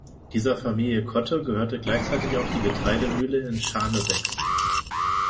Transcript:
Dieser Familie Kothe gehörte gleichzeitig auch die Getreidemühle in Scharnebeck.